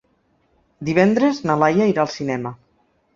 Divendres na Laia irà al cinema.